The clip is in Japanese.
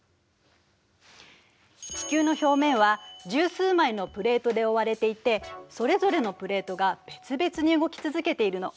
地球の表面は十数枚のプレートでおおわれていてそれぞれのプレートが別々に動き続けているの。